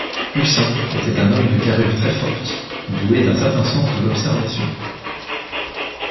Pussin était un homme de carrure très forte, doué d'un certain sens de l'observation.